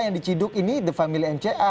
yang diciduk ini the family mca